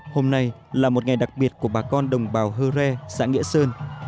hôm nay là một ngày đặc biệt của bà con đồng bào hơ re xã nghĩa sơn